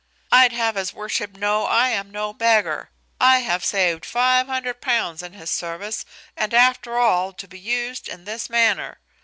I'd have his worship know I am no beggar. I have saved five hundred pound in his service, and after all to be used in this manner.